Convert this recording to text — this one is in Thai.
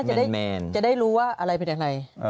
แมนจะได้รู้ว่าอะไรเป็นอะไร